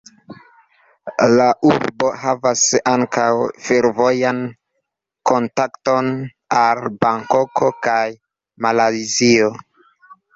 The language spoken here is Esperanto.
La urbo havas ankaŭ fervojan kontakton al Bankoko kaj Malajzio.